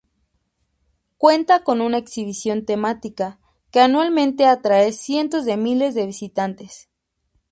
Cuenta con una exhibición temática que anualmente atrae cientos de miles de visitantes.